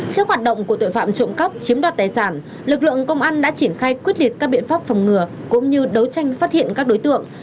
trước hoạt động của tội phạm trộm cắp chiếm đoạt tài sản lực lượng công an đã triển khai quyết liệt các biện pháp phòng ngừa cũng như đấu tranh phát hiện các đối tượng